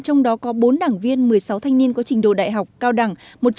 trong đó có bốn đảng viên một mươi sáu thanh niên có trình độ đại học cao đẳng